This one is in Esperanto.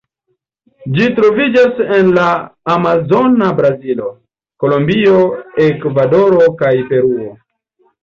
Ĝi troviĝas en la amazona Brazilo, Kolombio, Ekvadoro kaj Peruo.